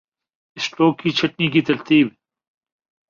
stroke کی چھٹنی کی ترتیب